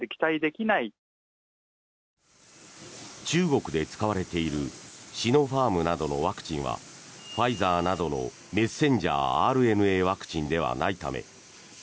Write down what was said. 中国で使われているシノファームなどのワクチンはファイザーなどのメッセンジャーＲＮＡワクチンではないためＢＡ